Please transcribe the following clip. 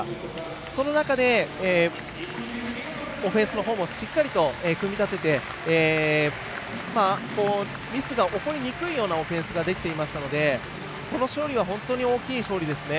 その中でオフェンスのほうもしっかりと組み立ててミスが起こりにくいようなオフェンスができていましたのでこの勝利は本当に大きい勝利ですね。